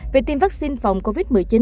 về tiêm vaccine phòng covid một mươi chín